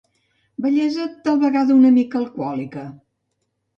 Bellesa, tal vegada una mica alcohòlica.